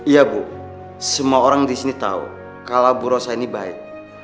iya bu semua orang di sini tahu kalau bu rosa ini baik